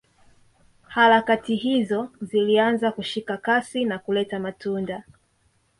Harakati hizo zilianza kushika kasi na kuleta matunda